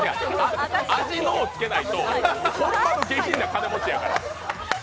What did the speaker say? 「味の」をつけないとほんまの下品な金持ちやから。